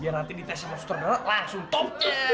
biar nanti di tesin sutradara langsung top